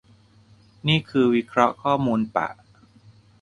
นี่คือวิเคราะห์ข้อมูลปะ